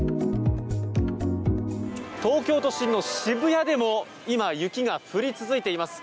東京都心の渋谷でも今、雪が降り続いています。